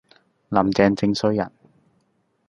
林鄭正衰人